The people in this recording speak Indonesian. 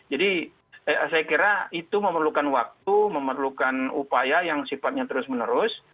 jadi saya kira itu memerlukan waktu memerlukan upaya yang sifatnya terus menerus